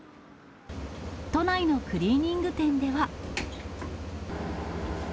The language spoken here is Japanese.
都内のクリーニング店では。